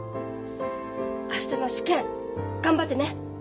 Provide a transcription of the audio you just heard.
明日の試験頑張ってね。